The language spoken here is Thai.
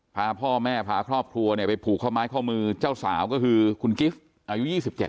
พาพ่อแม่พาครอบครัวเนี่ยไปผูกข้อไม้ข้อมือเจ้าสาวก็คือคุณกิฟต์อายุ๒๗